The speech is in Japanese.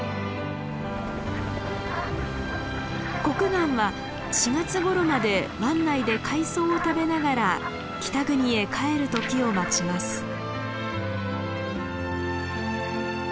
コクガンは４月ごろまで湾内で海藻を食べながら北国へ帰る時を待ちます。